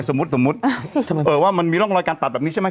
สมมุติมันมีร่องลอยการตัดแบบนี้ใช่ไหม